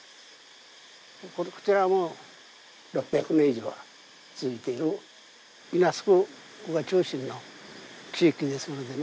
こちら６００年以上続いている稲作が中心の地域ですのでね。